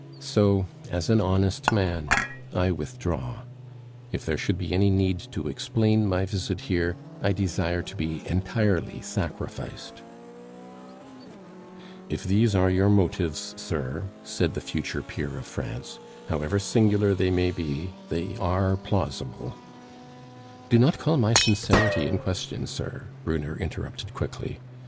So, as an honest man I withdraw. If there should be any need to explain my visit here, I desire to be entirely sacrificed " "If these are your motives, sir," said the future peer of France, "however singular they may be, they are plausible " "Do not call my sincerity in question, sir," Brunner interrupted quickly.